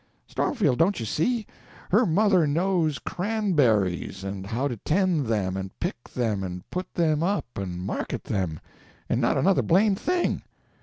"Stormfield, don't you see? Her mother knows cranberries, and how to tend them, and pick them, and put them up, and market them; and not another blamed thing!